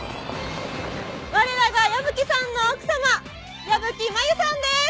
我らが矢吹さんの奥様矢吹真由さんです。